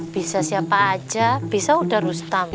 bisa siapa aja bisa udah rustam